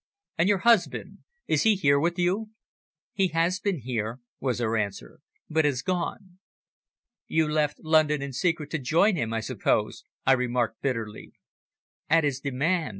"And your husband, is he here with you?" "He has been here," was her answer, "but has gone." "You left London in secret to join him, I suppose?" I remarked bitterly. "At his demand.